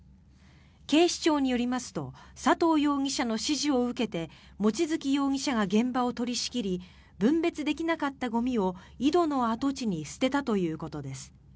警視庁によりますと佐藤容疑者の指示を受けて望月容疑者が現場を取り仕切り分別できなかったゴミを井戸の跡地に捨てたということです。